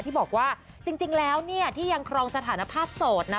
ที่บอกว่าจริงแล้วเนี่ยที่ยังครองสถานภาพโสดนะ